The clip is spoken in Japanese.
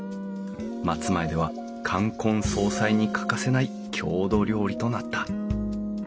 松前では冠婚葬祭に欠かせない郷土料理となった。